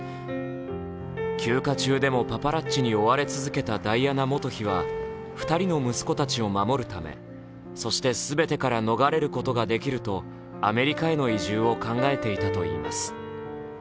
休暇中でもパパラッチに追われ続けたダイアナ元妃は２人の息子たちを守るため、そして全てから逃れることができるとアメリカへの移住を考えていたといいます。